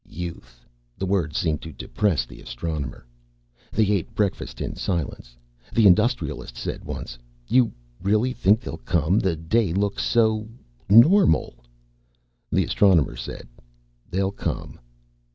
"Youth!" The word seemed to depress the Astronomer. They ate breakfast in silence. The Industrialist said once, "You really think they'll come. The day looks so normal." The Astronomer said, "They'll come."